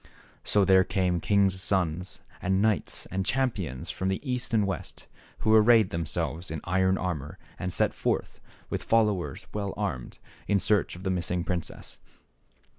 So there came kings' sons, and knights and champions, from the East and the West, who arrayed themselves in iron armor and set forth, with followers well armed, in search of the miss ing princess.